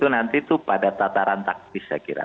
nanti itu pada tataran taktis saya kira